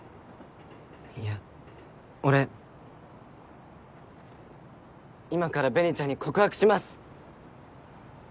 いや俺今から紅ちゃんに告白します。